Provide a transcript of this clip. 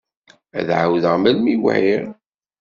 Ad d-ɛawdeɣ melmi i wɛiɣ.